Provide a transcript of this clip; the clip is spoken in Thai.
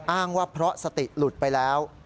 อ้างว่าเพราะสติหลุดไปแล้ว